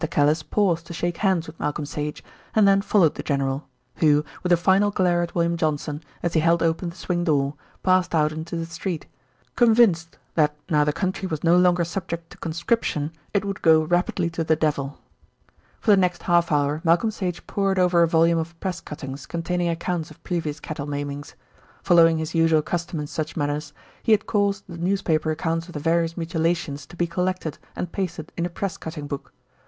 Callice paused to shake hands with Malcolm Sage, and then followed the general, who, with a final glare at William Johnson, as he held open the swing door, passed out into the street, convinced that now the country was no longer subject to conscription it would go rapidly to the devil. For the next half hour Malcolm Sage pored over a volume of press cuttings containing accounts of previous cattle maimings. Following his usual custom in such matters, he had caused the newspaper accounts of the various mutilations to be collected and pasted in a press cutting book.